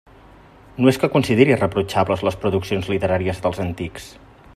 No és que consideri irreprotxables les produccions literàries dels antics.